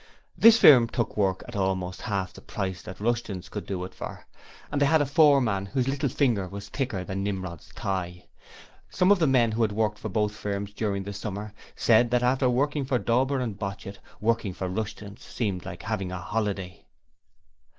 This firm took work at almost half the price that Rushton's could do it for, and they had a foreman whose little finger was thicker than Nimrod's thigh. Some of the men who had worked for both firms during the summer, said that after working for Dauber and Botchit, working for Rushton seemed like having a holiday.